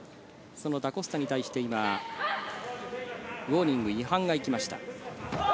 そのダ・コスタに対して今、違反がいきました。